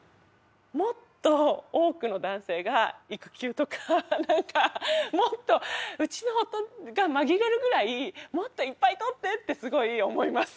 もっと多くの男性が育休とかもっとうちの夫が紛れるぐらいもっといっぱい取ってってすごい思います。